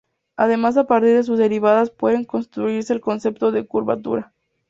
Además a partir de sus derivadas puede construirse el concepto de curvatura.